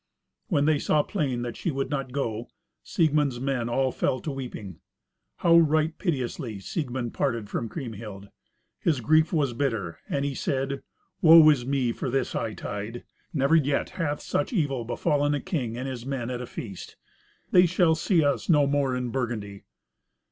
When they saw plain that she would not go, Siegmund's men all fell to weeping. How right piteously Siegmund parted from Kriemhild! His grief was bitter, and he said, "Woe is me for this hightide! Never yet hath such evil befallen a king and his men at a feast. They shall see us no more in Burgundy."